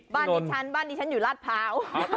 บ้านดิฉันบ้านดิฉันอยู่ราชเภา